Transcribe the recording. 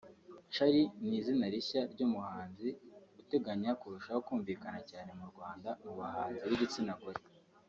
Charly ni izina rishya ry’umuhanzi uteganya kurushaho kumvikana cyane mu Rwanda mu bahanzi b’igitsina gore